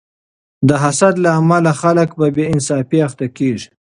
د حسد له امله خلک په بې انصافۍ اخته کیږي.